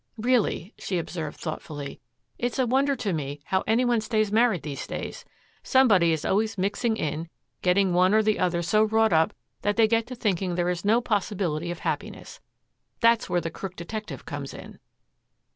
"Really," she observed thoughtfully, "it's a wonder to me how any one stays married these days. Somebody is always mixing in, getting one or the other so wrought up that they get to thinking there is no possibility of happiness. That's where the crook detective comes in."